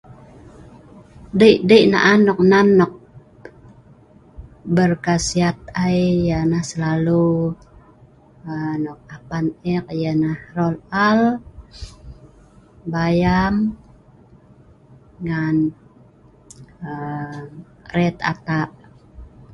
Deik deik naan nok nan nok berkhasiat ai ialah selalu aa.. nok nan e’ek hrol a’al bayam ngen aa.. re’et atak